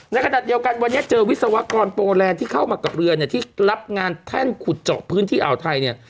ในขณะเดียวกันวันนี้เจอวิศวกรโปแลนด์ที่เข้ามากับเรือเนี่ยที่รับงานแท่นขุดเจาะพื้นที่อ่าวไทยเนี่ย